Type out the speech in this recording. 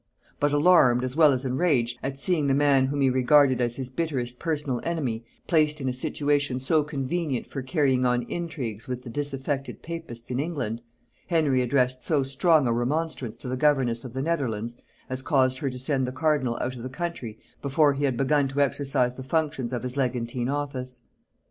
But alarmed, as well as enraged, at seeing the man whom he regarded as his bitterest personal enemy placed in a situation so convenient for carrying on intrigues with the disaffected papists in England, Henry addressed so strong a remonstrance to the governess of the Netherlands, as caused her to send the cardinal out of the country before he had begun to exercise the functions of his legantine office.